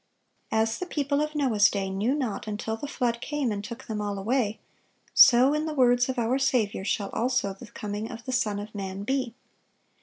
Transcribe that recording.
As the people of Noah's day "knew not until the flood came, and took them all away; so," in the words of our Saviour, "shall also the coming of the Son of man be."